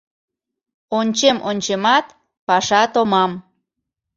Ончем-ончемат — паша томам.